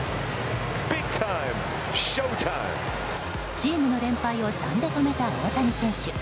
チームの連敗を３で止めた大谷選手。